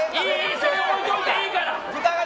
それは置いておいていいから。